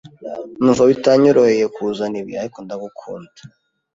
Ndumva bitanyoroheye kuzana ibi, ariko ndagukunda.